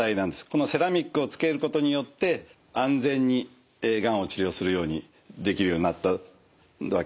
このセラミックをつけることによって安全にがんを治療するようにできるようになったわけです。